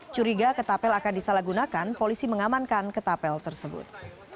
curiga ketapel akan disalahgunakan polisi mengamankan ketapel tersebut